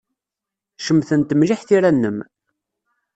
Cemtent mliḥ tira-nnem.